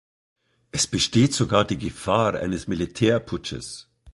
Es besteht sogar die Gefahr eines Militärputsches.